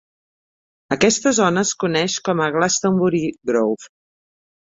Aquesta zona es coneix com Glastonbury Grove.